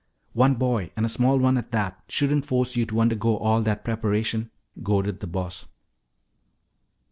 "One boy, and a small one at that, shouldn't force you to undergo all that preparation," goaded the Boss.